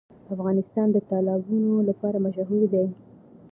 افغانستان د تالابونه لپاره مشهور دی.